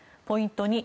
ポイント